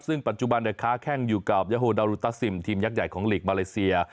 ซึ่งปัจจุบันค้าแข้งอยู่กับยาโฮดารุตาซิมทีมยักษ์ใหญ่ของลีกมาเลเซีย